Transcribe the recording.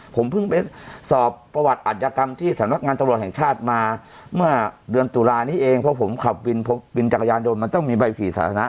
ผมเพิ่งไปสอบประวัติอัธยกรรมที่สำนักงานตำรวจแห่งชาติมาเมื่อเดือนตุลานี้เองเพราะผมขับวินจักรยานยนต์มันต้องมีใบผีสาธารณะ